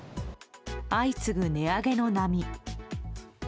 相次ぐ値上げの波。